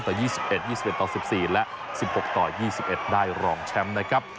ต่อ๒๑๒๑ต่อ๑๔และ๑๖ต่อ๒๑ได้รองแชมป์นะครับ